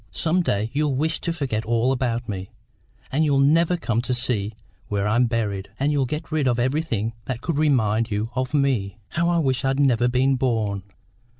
Some day you'll wish to forget all about me, and you'll never come to see where I'm buried, and you'll get rid of everything that could remind you of me. How I wish I'd never been born!"